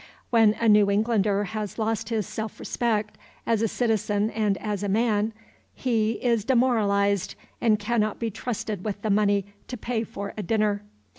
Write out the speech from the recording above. When a New Englander has lost his self respect as a citizen and as a man, he is demoralized, and cannot be trusted with the money to pay for a dinner.